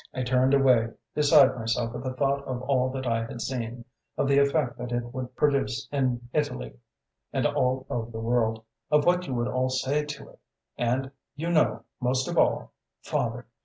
"I turned away, beside myself with the thought of all that I had seen, of the effect that it would produce in Italy, and all over the world; of what you would all say to it, and you most of all, father!